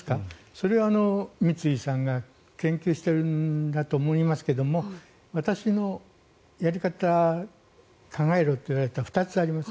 それは、三井さんが研究してるんだと思いますが私のやり方、考えろと言われたら２つあります。